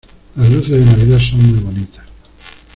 Las luces de navidad son muy bonitas.